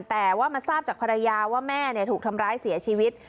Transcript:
แต่ว่ามาทราบจากภรรยาว่าแม่ถูกทำร้ายเสียชีวิต